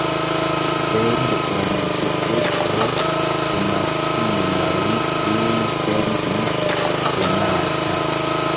Sed en ĉeesto de Maksimo li sin sentis ĝenata.